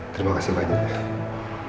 terima kasih banyak din